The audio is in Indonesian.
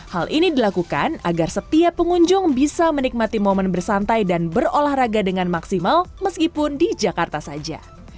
hal ini dilakukan agar setiap pengunjung bisa menikmati momen bersantai dan berolahraga dengan maksimal meskipun di jakarta saja